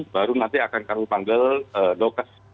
baru nanti akan kami panggil dokes